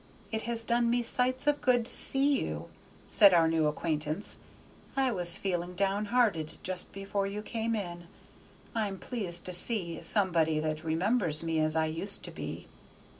"It has done me sights of good to see you," said our new acquaintance; "I was feeling down hearted just before you came in. I'm pleased to see somebody that remembers me as I used to be."